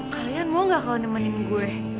kalian mau gak kalau nemenin gue